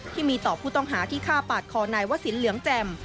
ที่มีต่อผู้ต้องหาที่ฆ่าปาดคอนายวะสินเหลืองแจ่ม